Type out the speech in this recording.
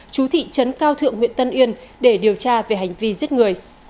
chú thị trấn cao thượng huyện tân yên để điều tra về hành vi giết người